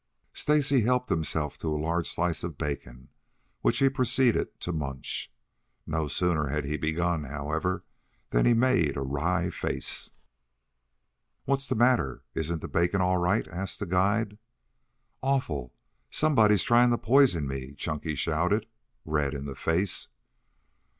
Stacy helped himself to a large slice of bacon which he proceeded to munch. No sooner had he begun, however, than he made a wry face. "What's the matter. Isn't the bacon all right?" asked the guide. "Awful! Somebody's trying to poison me," Chunky shouted, red in the face.